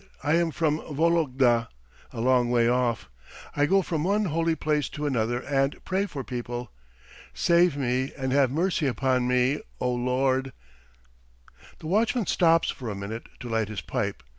I am from Vologda, a long way off. I go from one holy place to another and pray for people. Save me and have mercy upon me, O Lord." The watchman stops for a minute to light his pipe.